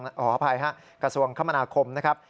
ขออภัยฮะกระทรวงคมนาคมนะครับ